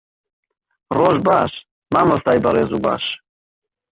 ڕۆژ باش، مامۆستای بەڕێز و باش.